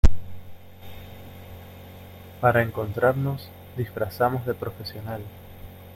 para encontrarnos, disfrazamos de profesional